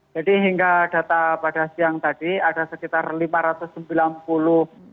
jadi hingga data pada siang tadi ada sekitar lima ratus sembilan puluh pengungsi